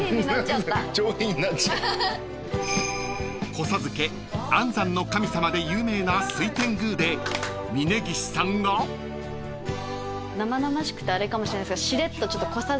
［子授け・安産の神様で有名な水天宮で峯岸さんが］生々しくてあれかもしれないですが。